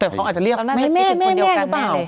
แต่เขาอาจจะเรียกแม่หรือเปล่า